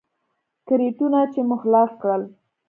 کرېټونه چې مو خلاص کړل.